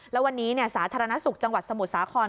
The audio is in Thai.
แล้ววันนี้สาธารณสุขจังหวัดสมุทรสาคร